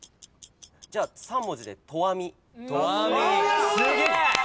じゃあ３文字で。